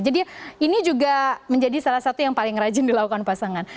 jadi ini juga menjadi salah satu yang paling rajin dilakukan pasangan